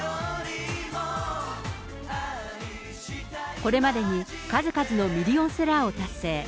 これまでに数々のミリオンセラーを達成。